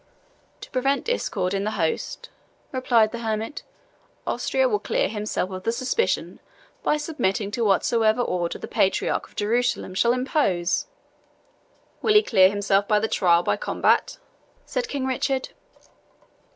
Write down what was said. "To prevent discord in the host," replied the hermit, "Austria will clear himself of the suspicion by submitting to whatsoever ordeal the Patriarch of Jerusalem shall impose." "Will he clear himself by the trial by combat?" said King Richard.